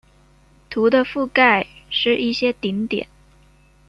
图的覆盖是一些顶点。